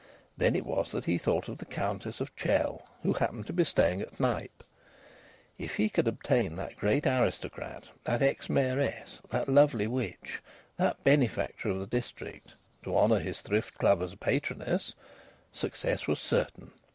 Then it was that he thought of the Countess of Chell, who happened to be staying at Knype. If he could obtain that great aristocrat, that ex Mayoress, that lovely witch, that benefactor of the district, to honour his Thrift Club as patroness, success was certain.